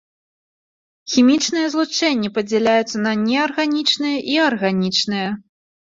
Хімічныя злучэнні падзяляюцца на неарганічныя і арганічныя.